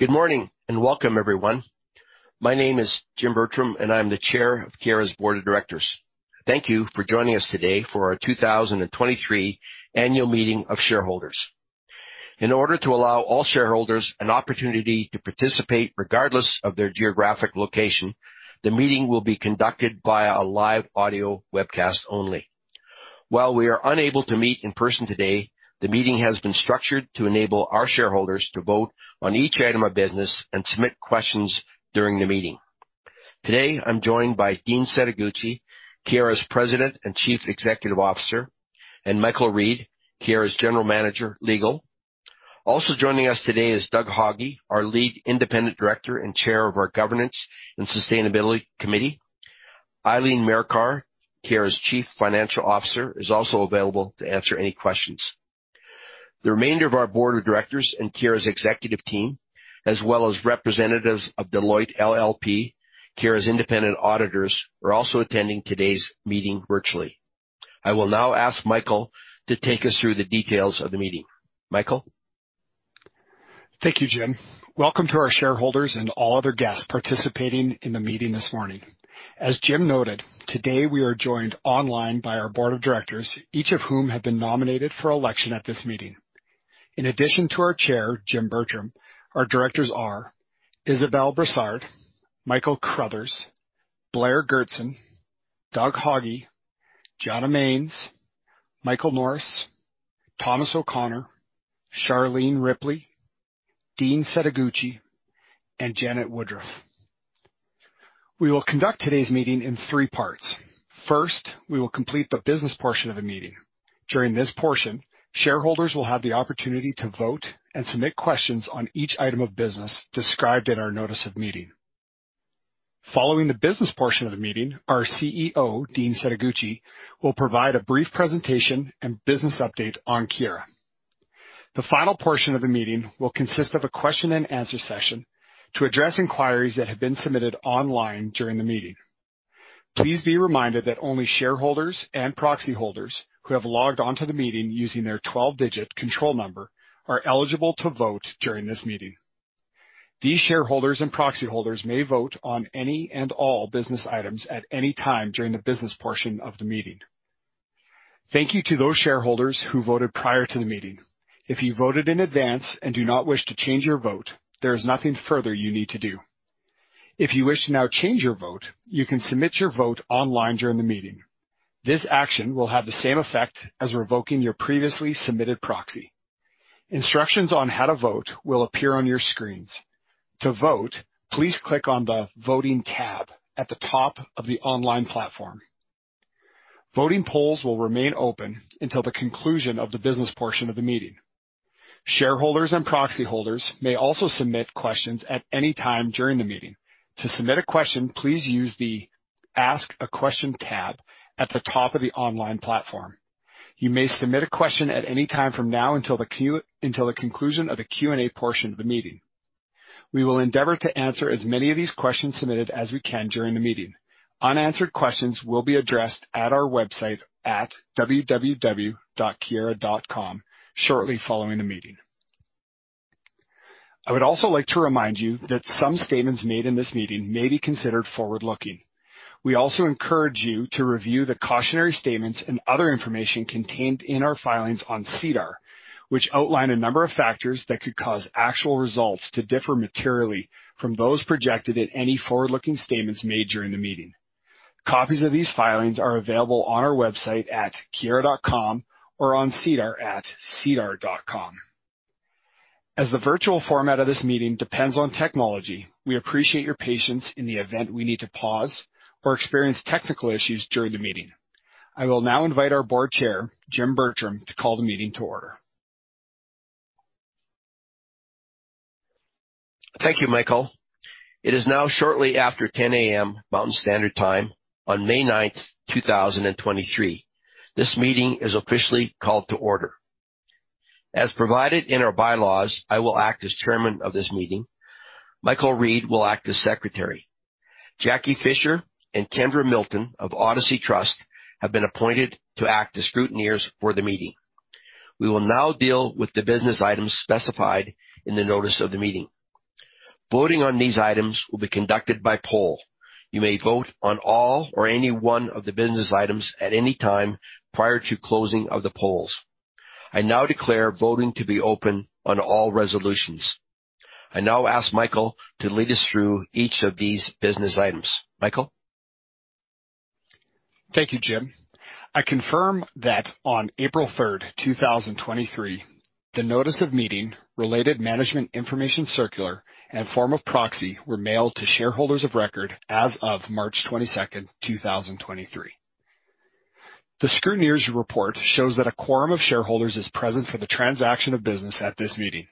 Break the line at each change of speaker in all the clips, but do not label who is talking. Good morning, and welcome everyone. My name is Jim Bertram, and I'm the chair of Keyera's board of directors. Thank you for joining us today for our 2023 annual meeting of shareholders. In order to allow all shareholders an opportunity to participate regardless of their geographic location, the meeting will be conducted via a live audio webcast only. While we are unable to meet in person today, the meeting has been structured to enable our shareholders to vote on each item of business and submit questionsduring the meeting. Today, I'm joined by Dean Setoguchi, Keyera's President and Chief Executive Officer, and Michael Reid, Keyera's General Manager, Legal. Also joining us today is Douglas Haughey, our Lead Independent Director and Chair of our Governance and Sustainability Committee. Eileen Marikar, Keyera's Chief Financial Officer, is also available to answer any questions. The remainder of our board of directors and Keyera's executive team, as well as representatives of Deloitte LLP, Keyera's independent auditors, are also attending today's meeting virtually. I will now ask Michael to take us through the details of the meeting. Michael.
Thank you, Jim. Welcome to our shareholders and all other guests participating in the meeting this morning. As Jim noted, today we are joined online by our board of directors, each of whom have been nominated for election at this meeting. In addition to our chair, Jim Bertram, our directors are Isabelle Brassard, Michael Crothers, Blair Goertzen, Douglas Haughey, Gianna Manes, Michael Norris, Thomas O'Connor, Charlene Ripley, Dean Setoguchi, and Janet Woodruff. We will conduct today's meeting in 3 parts. First, we will complete the business portion of the meeting. During this portion, shareholders will have the opportunity to vote and submit questions on each item of business described in our notice of meeting. Following the business portion of the meeting, our CEO, Dean Setoguchi, will provide a brief presentation and business update on Keyera. The final portion of the meeting will consist of a question-and-answer session to address inquiries that have been submitted online during the meeting. Please be reminded that only shareholders and proxy holders who have logged on to the meeting using their 12-digit control number are eligible to vote during this meeting. These shareholders and proxy holders may vote on any and all business items at any time during the business portion of the meeting. Thank you to those shareholders who voted prior to the meeting. If you voted in advance and do not wish to change your vote, there is nothing further you need to do. If you wish to now change your vote, you can submit your vote online during the meeting. This action will have the same effect as revoking your previously submitted proxy. Instructions on how to vote will appear on your screens. To vote, please click on the Voting tab at the top of the online platform. Voting polls will remain open until the conclusion of the business portion of the meeting. Shareholders and proxy holders may also submit questions at any time during the meeting. To submit a question, please use the Ask a Question tab at the top of the online platform. You may submit a question at any time from now until the conclusion of the Q&A portion of the meeting. We will endeavor to answer as many of these questions submitted as we can during the meeting. Unanswered questions will be addressed at our website at www.keyera.com shortly following the meeting. I would also like to remind you that some statements made in this meeting may be considered forward-looking. We also encourage you to review the cautionary statements and other information contained in our filings on SEDAR, which outline a number of factors that could cause actual results to differ materially from those projected at any forward-looking statements made during the meeting. Copies of these filings are available on our website at keyera.com or on SEDAR at sedar.com. As the virtual format of this meeting depends on technology, we appreciate your patience in the event we need to pause or experience technical issues during the meeting. I will now invite our board chair, Jim Bertram, to call the meeting to order.
Thank you, Michael. It is now shortly after 10:00 A.M. Mountain Standard Time on May ninth, 2023. This meeting is officially called to order. As provided in our bylaws, I will act as chairman of this meeting. Michael Reid will act as secretary. Jackie Fisher and Kendra Milton of Odyssey Trust have been appointed to act as scrutineers for the meeting. We will now deal with the business items specified in the notice of the meeting. Voting on these items will be conducted by poll. You may vote on all or any one of the business items at any time prior to closing of the polls. I now declare voting to be open on all resolutions. I now ask Michael to lead us through each of these business items. Michael.
Thank you, Jim. I confirm that on April third, 2023, the notice of meeting, related management information circular, and form of proxy were mailed to shareholders of record as of March 22nd, 2023. The scrutineers' report shows that a quorum of shareholders is present for the transaction of business at this meeting.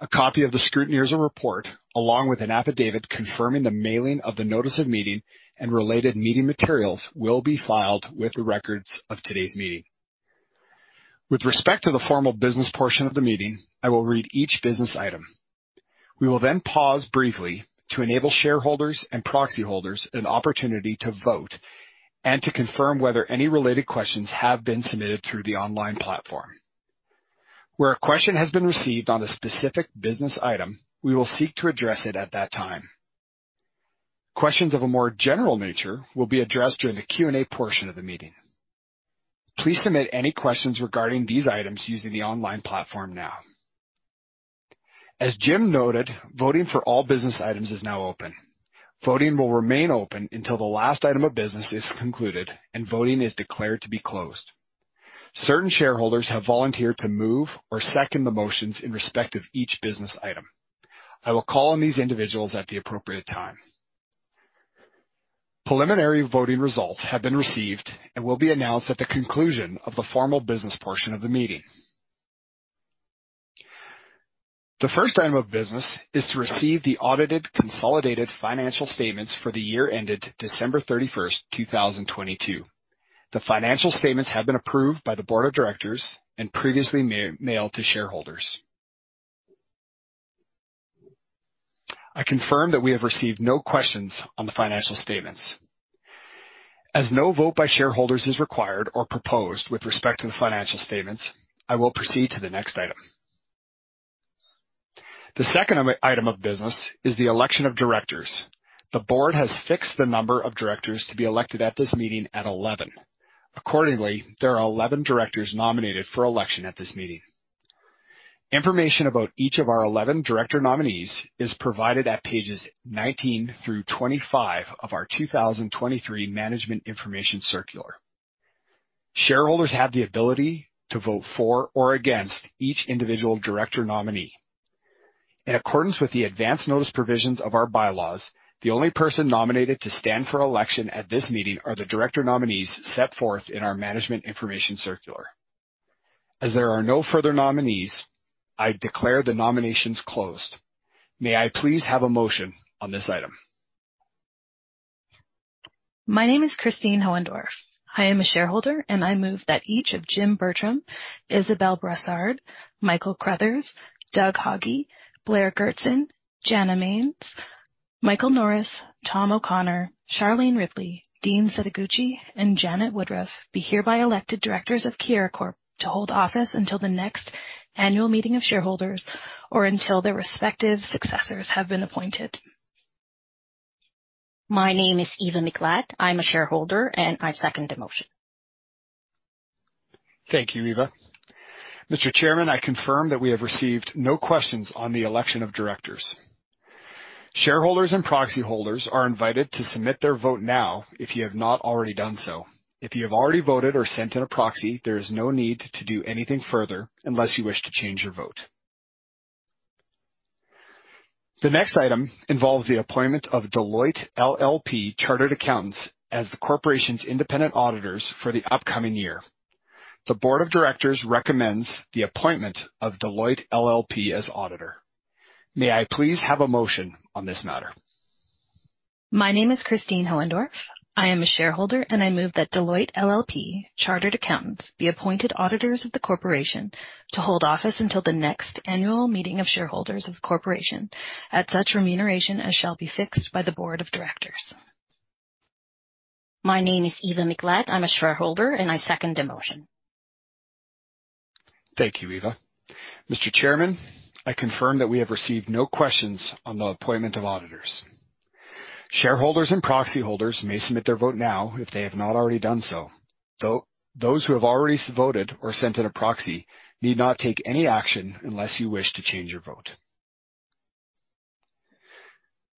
A copy of the scrutineers' report, along with an affidavit confirming the mailing of the notice of meeting and related meeting materials, will be filed with the records of today's meeting. With respect to the formal business portion of the meeting, I will read each business item. We will then pause briefly to enable shareholders and proxy holders an opportunity to vote and to confirm whether any related questions have been submitted through the online platform. Where a question has been received on a specific business item, we will seek to address it at that time. Questions of a more general nature will be addressed during the Q&A portion of the meeting. Please submit any questions regarding these items using the online platform now. As Jim noted, voting for all business items is now open. Voting will remain open until the last item of business is concluded and voting is declared to be closed. Certain shareholders have volunteered to move or second the motions in respect of each business item. I will call on these individuals at the appropriate time. Preliminary voting results have been received and will be announced at the conclusion of the formal business portion of the meeting. The first item of business is to receive the audited consolidated financial statements for the year ended December 31st, 2022. The financial statements have been approved by the board of directors and previously mailed to shareholders. I confirm that we have received no questions on the financial statements. As no vote by shareholders is required or proposed with respect to the financial statements, I will proceed to the next item. The second item of business is the election of directors. The board has fixed the number of directors to be elected at this meeting at 11. Accordingly, there are 11 directors nominated for election at this meeting. Information about each of our 11 director nominees is provided at pages 19 through 25 of our 2023 management information circular. Shareholders have the ability to vote for or against each individual director nominee. In accordance with the advance notice provisions of our bylaws, the only person nominated to stand for election at this meeting are the director nominees set forth in our management information circular. As there are no further nominees, I declare the nominations closed. May I please have a motion on this item?
My name is Christine Hoendork. I am a shareholder, and I move that each of Jim Bertram, Isabelle Brassard, Michael Crothers, Douglas Haughey, Blair Goertzen, Gianna Manes, Michael Norris, Thomas O'Connor, Charlene Ripley, Dean Setoguchi, and Janet Woodruff be hereby elected directors of Keyera Corp. to hold office until the next annual meeting of shareholders or until their respective successors have been appointed.
My name is Eva Melek, I'm a shareholder, and I second the motion.
Thank you, Eva. Mr. Chairman, I confirm that we have received no questions on the election of directors. Shareholders and proxy holders are invited to submit their vote now if you have not already done so. If you have already voted or sent in a proxy, there is no need to do anything further unless you wish to change your vote. The next item involves the appointment of Deloitte LLP Chartered Accountants as the corporation's independent auditors for the upcoming year. The board of directors recommends the appointment of Deloitte LLP as auditor. May I please have a motion on this matter?
My name is Christine Hoendorf. I am a shareholder, I move that Deloitte LLP Chartered Accountants be appointed auditors of the corporation to hold office until the next annual meeting of shareholders of the corporation at such remuneration as shall be fixed by the board of directors.
My name is Eva Melek, I'm a shareholder, and I second the motion.
Thank you, Eva. Mr. Chairman, I confirm that we have received no questions on the appointment of auditors. Shareholders and proxy holders may submit their vote now if they have not already done so. Those who have already voted or sent in a proxy need not take any action unless you wish to change your vote.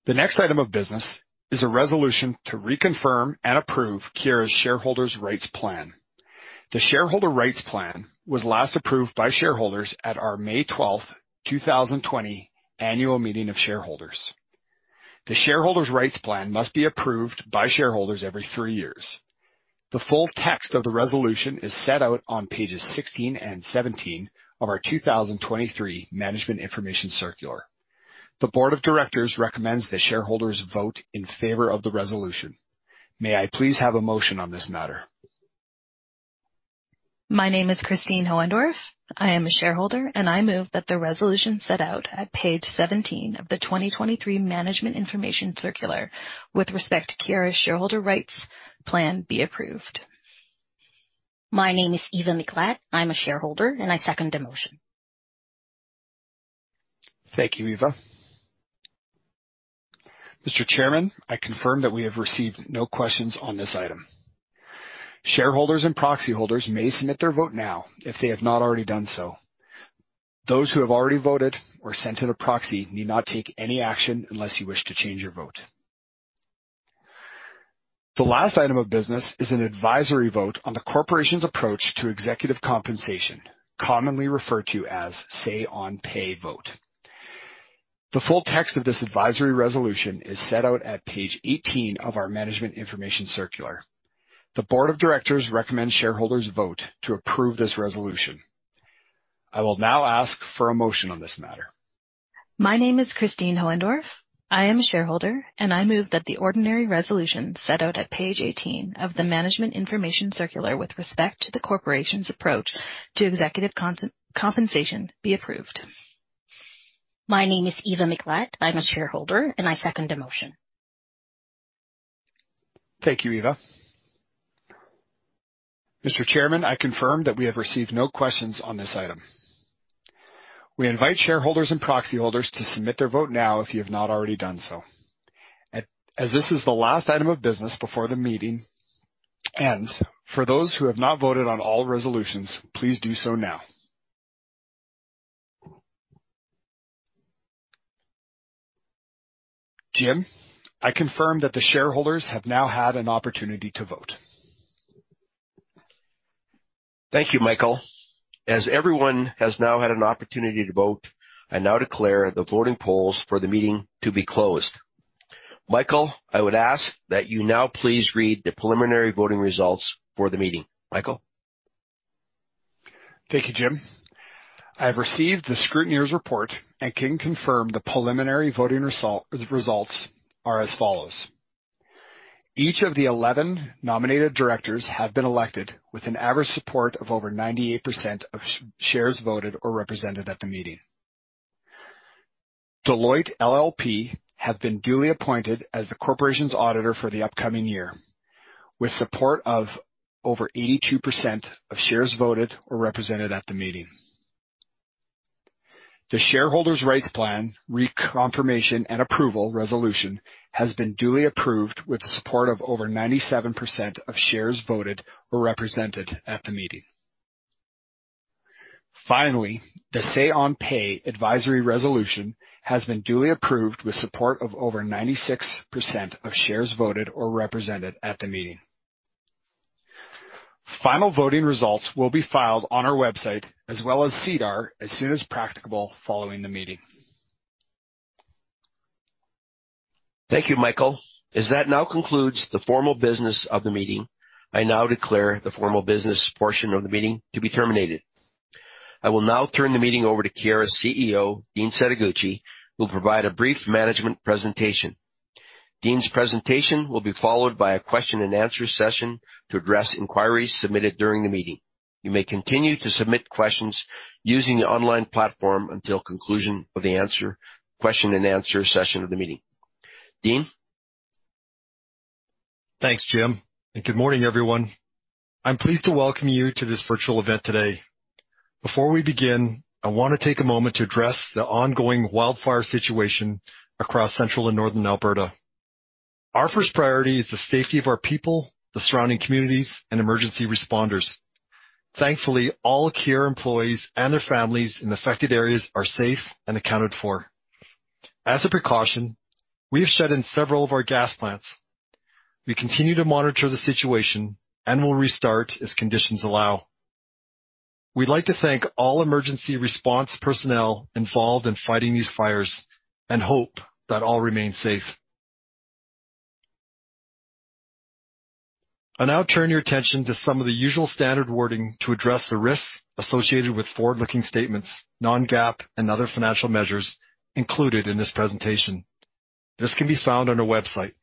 The next item of business is a resolution to reconfirm and approve Keyera's Shareholder Rights Plan. The Shareholder Rights Plan was last approved by shareholders at our May 12th, 2020 annual meeting of shareholders. The Shareholder Rights Plan must be approved by shareholders every 3 years. The full text of the resolution is set out on pages 16 and 17 of our 2023 management information circular. The board of directors recommends that shareholders vote in favor of the resolution. May I please have a motion on this matter?
My name is Christine Hoendorf, I am a shareholder, and I move that the resolution set out at page 17 of the 2023 management information circular with respect to Keyera's Shareholder Rights Plan be approved.
My name is Eva Melek, I'm a shareholder, and I second the motion.
Thank you, Eva. Mr. Chairman, I confirm that we have received no questions on this item. Shareholders and proxy holders may submit their vote now if they have not already done so. Those who have already voted or sent in a proxy need not take any action unless you wish to change your vote. The last item of business is an advisory vote on the corporation's approach to executive compensation, commonly referred to as say on pay vote. The full text of this advisory resolution is set out at page 18 of our management information circular. The board of directors recommend shareholders vote to approve this resolution. I will now ask for a motion on this matter.
My name is Christine Hoendorf, I am a shareholder, I move that the ordinary resolution set out at page 18 of the management information circular with respect to the corporation's approach to executive compensation be approved.
My name is Eva Melek, I'm a shareholder, and I second the motion.
Thank you, Eva. Mr. Chairman, I confirm that we have received no questions on this item. We invite shareholders and proxy holders to submit their vote now if you have not already done so. As this is the last item of business before the meeting ends, for those who have not voted on all resolutions, please do so now. Jim, I confirm that the shareholders have now had an opportunity to vote.
Thank you, Michael. As everyone has now had an opportunity to vote, I now declare the voting polls for the meeting to be closed. Michael, I would ask that you now please read the preliminary voting results for the meeting. Michael?
Thank you, Jim. I have received the scrutineer's report and can confirm the preliminary voting results are as follows. Each of the 11 nominated directors have been elected with an average support of over 98% of shares voted or represented at the meeting. Deloitte LLP have been duly appointed as the corporation's auditor for the upcoming year, with support of over 82% of shares voted or represented at the meeting. The Shareholder Rights Plan reconfirmation and approval resolution has been duly approved with the support of over 97% of shares voted or represented at the meeting. The say on pay advisory resolution has been duly approved with support of over 96% of shares voted or represented at the meeting. Final voting results will be filed on our website as well as SEDAR as soon as practicable following the meeting.
Thank you, Michael. As that now concludes the formal business of the meeting, I now declare the formal business portion of the meeting to be terminated. I will now turn the meeting over to Keyera's CEO, Dean Setoguchi, who will provide a brief management presentation. Dean's presentation will be followed by a question-and-answer session to address inquiries submitted during the meeting. You may continue to submit questions using the online platform until conclusion of the answer, question-and-answer session of the meeting. Dean?
Thanks, Jim, and good morning, everyone. I'm pleased to welcome you to this virtual event today. Before we begin, I want to take a moment to address the ongoing wildfire situation across central and northern Alberta. Our first priority is the safety of our people, the surrounding communities and emergency responders. Thankfully, all Keyera employees and their families in the affected areas are safe and accounted for. As a precaution, we have shut in several of our gas plants. We continue to monitor the situation and will restart as conditions allow. We'd like to thank all emergency response personnel involved in fighting these fires and hope that all remain safe. I now turn your attention to some of the usual standard wording to address the risks associated with forward-looking statements, non-GAAP, and other financial measures included in this presentation. This can be found on our website.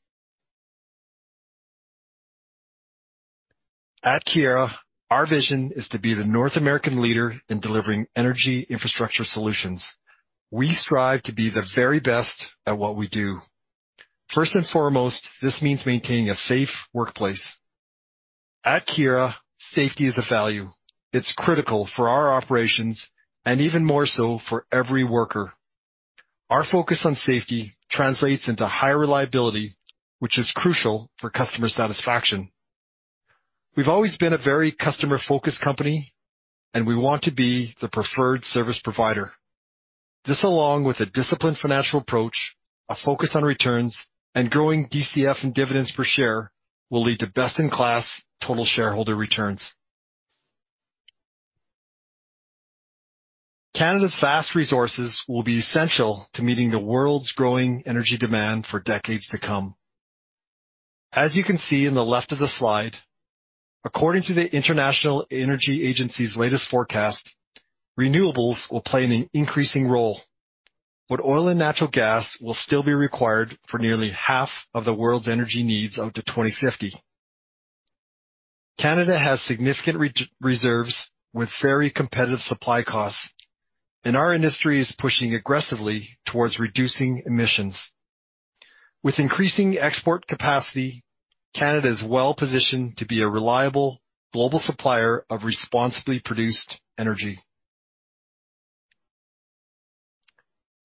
At Keyera, our vision is to be the North American leader in delivering energy infrastructure solutions. We strive to be the very best at what we do. First and foremost, this means maintaining a safe workplace. At Keyera, safety is a value. It's critical for our operations and even more so for every worker. Our focus on safety translates into higher reliability, which is crucial for customer satisfaction. We've always been a very customer-focused company, and we want to be the preferred service provider. This, along with a disciplined financial approach, a focus on returns, and growing DCF and dividends per share, will lead to best-in-class total shareholder returns. Canada's vast resources will be essential to meeting the world's growing energy demand for decades to come. As you can see in the left of the slide, according to the International Energy Agency's latest forecast, renewables will play an increasing role. Oil and natural gas will still be required for nearly half of the world's energy needs up to 2050. Canada has significant re-reserves with very competitive supply costs, and our industry is pushing aggressively towards reducing emissions. With increasing export capacity, Canada is well-positioned to be a reliable global supplier of responsibly produced energy.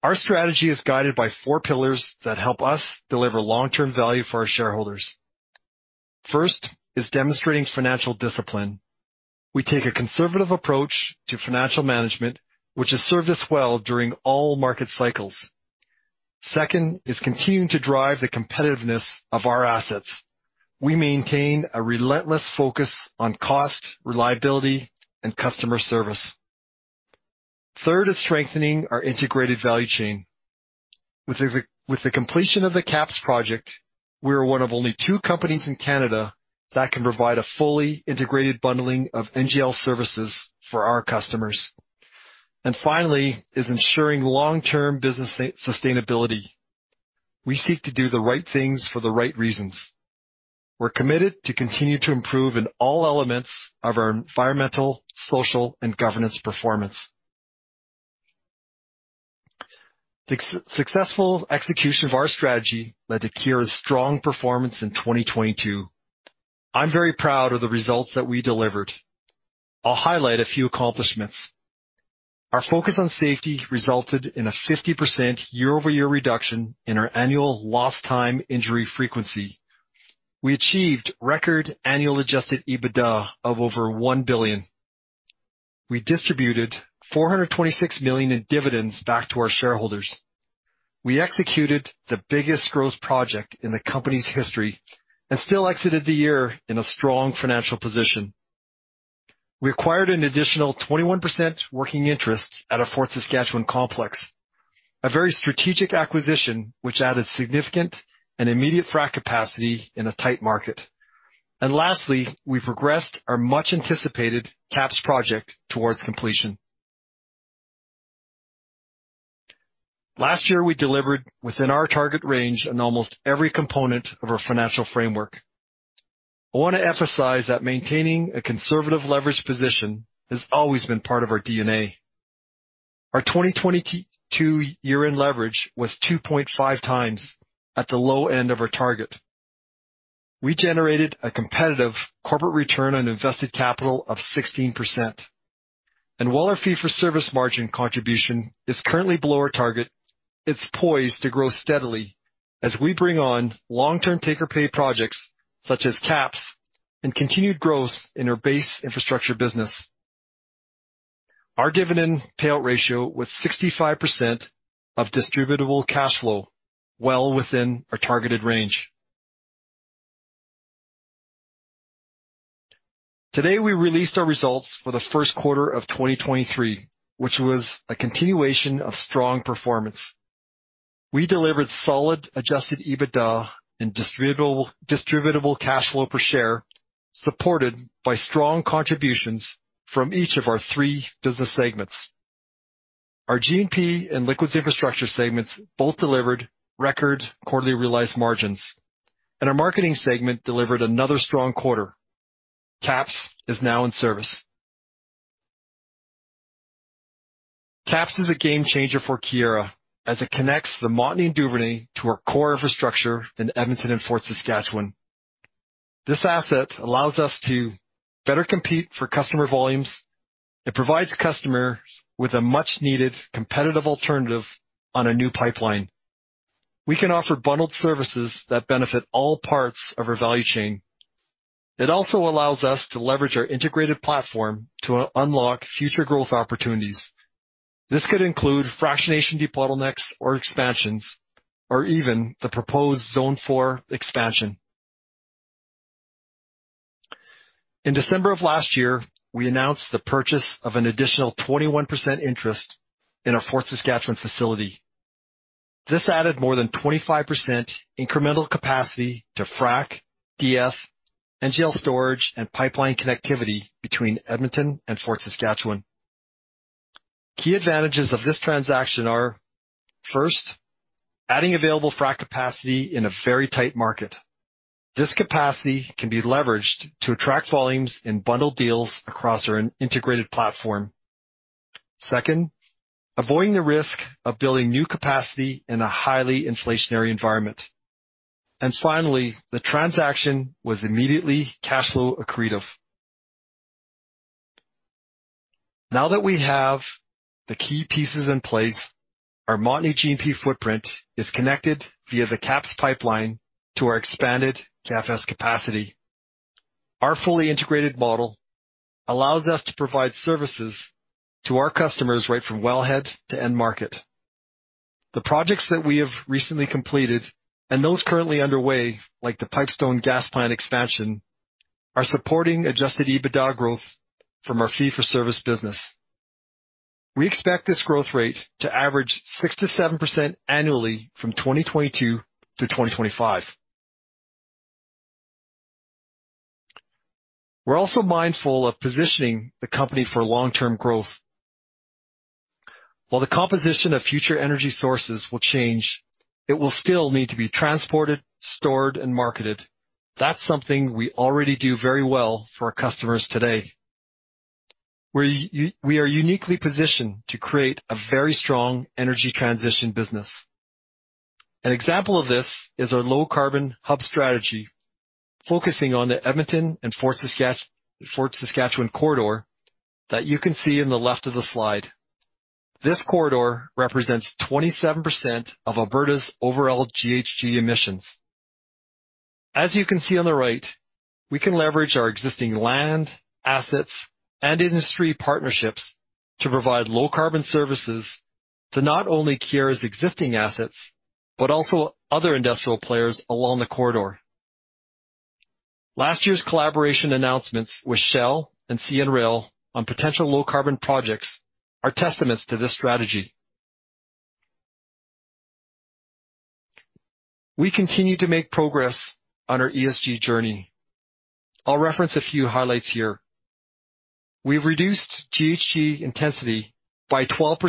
Our strategy is guided by four pillars that help us deliver long-term value for our shareholders. First is demonstrating financial discipline. We take a conservative approach to financial management, which has served us well during all market cycles. Second is continuing to drive the competitiveness of our assets. We maintain a relentless focus on cost, reliability, and customer service. Third is strengthening our integrated value chain. With the completion of the KAPS project, we are one of only two companies in Canada that can provide a fully integrated bundling of NGL services for our customers. Finally is ensuring long-term business sustainability. We seek to do the right things for the right reasons. We're committed to continue to improve in all elements of our environmental, social, and governance performance. The successful execution of our strategy led to Keyera's strong performance in 2022. I'm very proud of the results that we delivered. I'll highlight a few accomplishments. Our focus on safety resulted in a 50% year-over-year reduction in our annual lost time injury frequency. We achieved record annual adjusted EBITDA of over 1 billion. We distributed 426 million in dividends back to our shareholders. We executed the biggest growth project in the company's history and still exited the year in a strong financial position. We acquired an additional 21% working interest at our Fort Saskatchewan complex, a very strategic acquisition, which added significant and immediate frac capacity in a tight market. Lastly, we progressed our much-anticipated KAPS project towards completion. Last year, we delivered within our target range in almost every component of our financial framework. I wanna emphasize that maintaining a conservative leverage position has always been part of our DNA. Our 2022 year-end leverage was 2.5 times at the low end of our target. We generated a competitive corporate return on invested capital of 16%. While our fee-for-service margin contribution is currently below our target, it's poised to grow steadily as we bring on long-term take-or-pay projects such as KAPS and continued growth in our base infrastructure business. Our dividend payout ratio was 65% of distributable cash flow, well within our targeted range. Today, we released our results for the first quarter of 2023, which was a continuation of strong performance. We delivered solid adjusted EBITDA and distributable cash flow per share, supported by strong contributions from each of our three business segments. Our G&P and liquids infrastructure segments both delivered record quarterly realized margins, and our marketing segment delivered another strong quarter. KAPS is now in service. KAPS is a game changer for Keyera as it connects the Montney Duvernay to our core infrastructure in Edmonton and Fort Saskatchewan. This asset allows us to better compete for customer volumes. It provides customers with a much-needed competitive alternative on a new pipeline. We can offer bundled services that benefit all parts of our value chain. It also allows us to leverage our integrated platform to unlock future growth opportunities. This could include fractionation deep bottlenecks or expansions, or even the proposed Zone Four expansion. In December of last year, we announced the purchase of an additional 21% interest in our Fort Saskatchewan facility. This added more than 25% incremental capacity to frac, DE, NGL storage, and pipeline connectivity between Edmonton and Fort Saskatchewan. Key advantages of this transaction are, first, adding available frac capacity in a very tight market. This capacity can be leveraged to attract volumes in bundled deals across our integrated platform. Second, avoiding the risk of building new capacity in a highly inflationary environment. Finally, the transaction was immediately cash flow accretive. Now that we have the key pieces in place, our Montney G&P footprint is connected via the KAPS pipeline to our expanded KFS capacity. Our fully integrated model allows us to provide services to our customers right from wellhead to end market. The projects that we have recently completed and those currently underway, like the Pipestone gas plant expansion, are supporting adjusted EBITDA growth from our fee-for-service business. We expect this growth rate to average 6%-7% annually from 2022 to 2025. We're also mindful of positioning the company for long-term growth. While the composition of future energy sources will change, it will still need to be transported, stored, and marketed. That's something we already do very well for our customers today. We are uniquely positioned to create a very strong energy transition business. An example of this is our Low Carbon Hub strategy, focusing on the Edmonton and Fort Saskatchewan corridor that you can see in the left of the slide. This corridor represents 27% of Alberta's overall GHG emissions. As you can see on the right, we can leverage our existing land, assets, and industry partnerships to provide low carbon services to not only Keyera's existing assets, but also other industrial players along the corridor. Last year's collaboration announcements with Shell and CN on potential low carbon projects are testaments to this strategy. We continue to make progress on our ESG journey. I'll reference a few highlights here. We've reduced GHG intensity by 12%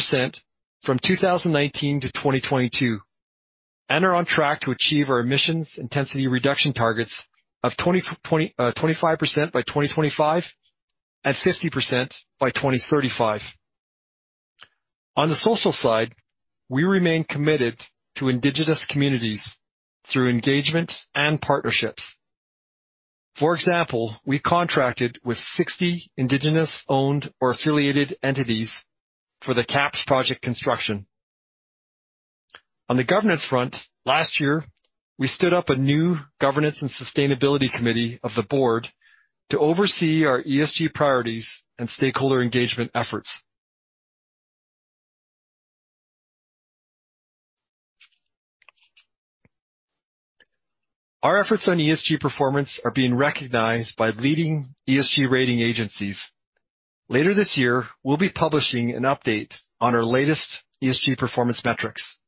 from 2019 to 2022 and are on track to achieve our emissions intensity reduction targets of 25% by 2025 and 50% by 2035. On the social side, we remain committed to indigenous communities through engagement and partnerships. For example, we contracted with 60 indigenous-owned or affiliated entities for the KAPS project construction. On the governance front, last year, we stood up a new Governance and Sustainability Committee of the board to oversee our ESG priorities and stakeholder engagement efforts. Our efforts on ESG performance are being recognized by leading ESG rating agencies. Later this year, we'll be publishing an update on our latest ESG performance metrics.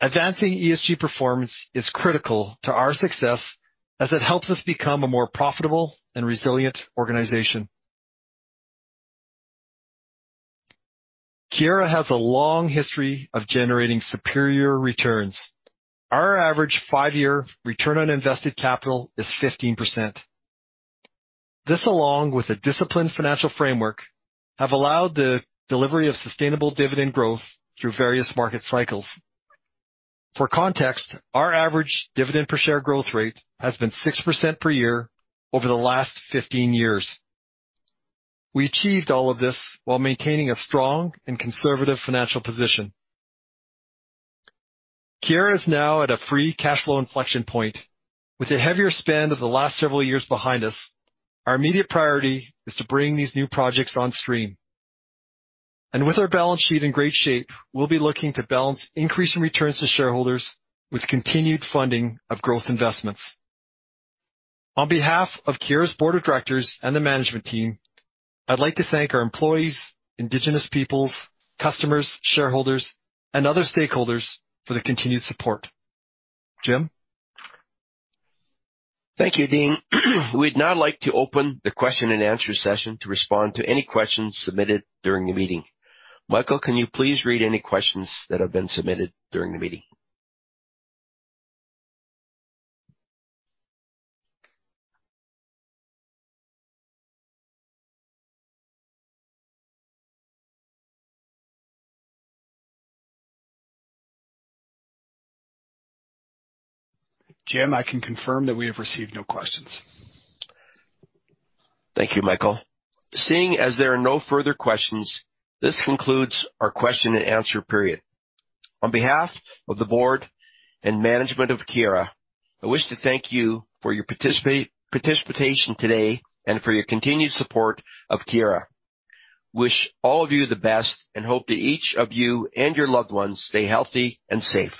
Advancing ESG performance is critical to our success as it helps us become a more profitable and resilient organization. Keyera has a long history of generating superior returns. Our average 5-year return on invested capital is 15%. This, along with a disciplined financial framework, have allowed the delivery of sustainable dividend growth through various market cycles. For context, our average dividend per share growth rate has been 6% per year over the last 15 years. We achieved all of this while maintaining a strong and conservative financial position. Keyera is now at a free cash flow inflection point. With a heavier spend of the last several years behind us, our immediate priority is to bring these new projects on stream. With our balance sheet in great shape, we'll be looking to balance increasing returns to shareholders with continued funding of growth investments. On behalf of Keyera's Board of Directors and the management team, I'd like to thank our employees, indigenous peoples, customers, shareholders, and other stakeholders for the continued support. Jim?
Thank you, Dean. We'd now like to open the question-and-answer session to respond to any questions submitted during the meeting. Michael, can you please read any questions that have been submitted during the meeting?
Jim, I can confirm that we have received no questions.
Thank you, Michael. Seeing as there are no further questions, this concludes our question-and-answer period. On behalf of the board and management of Keyera, I wish to thank you for your participation today and for your continued support of Keyera. Wish all of you the best and hope that each of you and your loved ones stay healthy and safe.